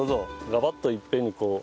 ガバッといっぺんにこう。